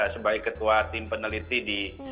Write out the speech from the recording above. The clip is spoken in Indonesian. sebagai ketua tim peneliti di